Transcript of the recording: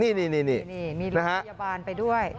นี่มีรถพยาบาลไปด้วย